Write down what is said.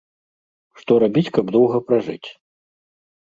Што рабіць, каб доўга пражыць?